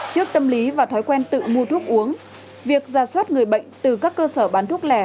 trước tâm lý và thói quen tự mua thuốc uống việc ra soát người bệnh từ các cơ sở bán thuốc lẻ